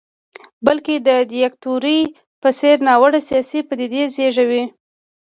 بلکې د دیکتاتورۍ په څېر ناوړه سیاسي پدیدې زېږوي.